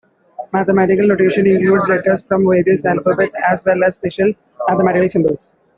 Mathematical notation includes letters from various alphabets, as well as special mathematical symbols.